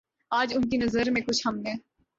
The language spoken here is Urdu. آج ان کی نظر میں کچھ ہم نے